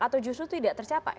atau justru tidak tercapai